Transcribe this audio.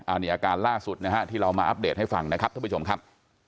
อันนี้อาการล่าสุดนะฮะที่เรามาอัปเดตให้ฟังนะครับท่านผู้ชมครับ